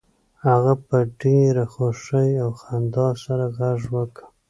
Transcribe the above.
هغه په ډیره خوښۍ او خندا سره غږ وکړ